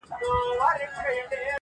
زمری راغی زه یې وویشتم له مځکي -